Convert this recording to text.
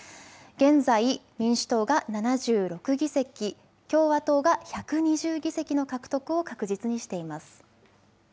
現在、民主党が７６議席、共和党が１２０議席の獲得を確実にしています。